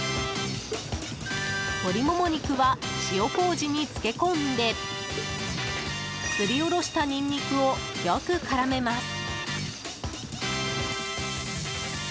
鶏モモ肉は塩こうじに漬け込んですりおろしたニンニクをよく絡めます。